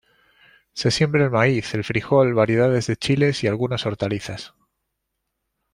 Se siembra el maíz, el frijol, variedades de chiles y algunas hortalizas.